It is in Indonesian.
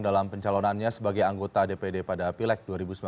dalam pencalonannya sebagai anggota dpd pada pileg dua ribu sembilan belas